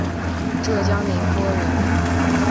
浙江宁波人。